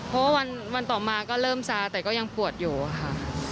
เพราะว่าวันต่อมาก็เริ่มซาแต่ก็ยังปวดอยู่ค่ะ